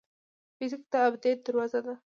فزیک د ابدیت دروازه ده.